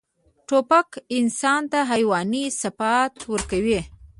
توپک انسان ته حیواني صفات ورکوي.